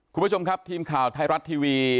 คุณผู้ชมครับทีมข่าวไทยรัฐทีวี